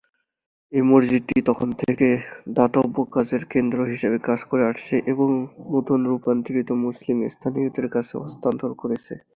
এই মসজিদটি তখন থেকে দাতব্য কাজের কেন্দ্র হিসাবে কাজ করে আসছে এবং নতুন রূপান্তরিত মুসলিম স্থানীয়দের কাছে হস্তান্তর করছে।